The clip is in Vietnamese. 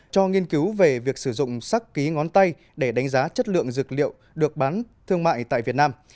cho nghiên cứu về việc sử dụng sắc ký ngón tay để đánh giá chất lượng dược liệu được bán thương mại tại việt nam